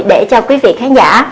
để cho quý vị khán giả